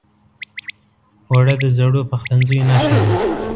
اوړه د زړو پخلنځیو نښه ده